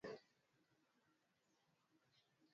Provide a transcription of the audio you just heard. viazi lishe husagwa ili kupata unga